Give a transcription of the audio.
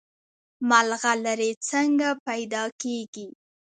ملغلرې څنګه پیدا کیږي؟